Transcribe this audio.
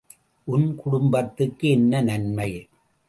உன் குடும்பத்துக்கு என்ன நன்மை?